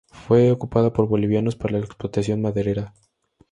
Fue ocupada por bolivianos para la explotación maderera.